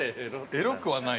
◆エロくはない。